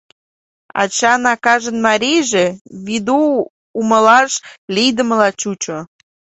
Ачан акажын марийже Вийду умылаш лийдымыла чучо.